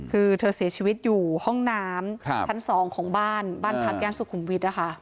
คือเธอเสียชีวิตอยู่ห้องน้ำชั้น๒ของบ้านบ้านพักย่านสุขุมวิทย์นะคะ